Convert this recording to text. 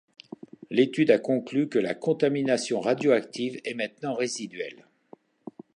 L'étude a conclu que la contamination radioactive était maintenant résiduelle.